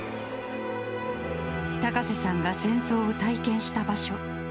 高瀬さんが戦争を体験した場所。